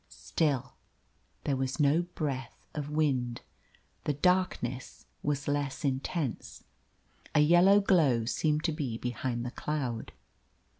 Still there was no breath of wind. The darkness was less intense. A yellow glow seemed to be behind the cloud.